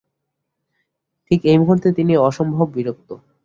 ঠিক এই মুহূর্তে তিনি অসম্ভব বিরক্ত।